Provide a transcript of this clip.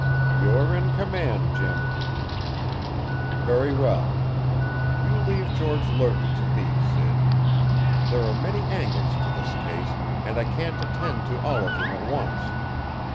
"You're in command, Jim!" "Very well. You leave George Lerton to me, Sid. There are many angles to this case, and I can't attend to all of them at once.